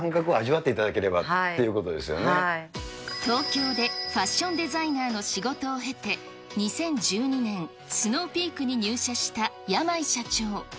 やっぱりこの感覚を味わって東京でファッションデザイナーの仕事を経て、２０１２年、スノーピークに入社した山井社長。